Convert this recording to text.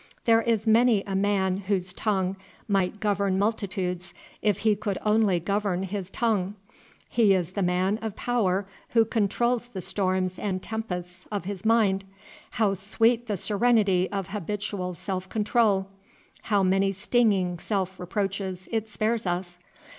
There is many a man whose tongue might govern multitudes if he could only govern his tongue. He is the man of power who controls the storms and tempests of his mind. How sweet the serenity of habitual self control! How many stinging self reproaches it spares us!